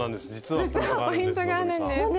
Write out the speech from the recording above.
実はポイントがあるんです希さん。